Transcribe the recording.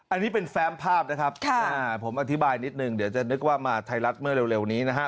อันนี้เป็นแฟมภาพนะครับผมอธิบายนิดนึงเดี๋ยวจะนึกว่ามาไทยรัฐเมื่อเร็วนี้นะฮะ